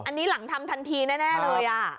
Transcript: อันนี้หลังทำทันทีแน่เลย